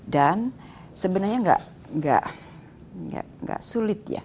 dan sebenarnya nggak sulit ya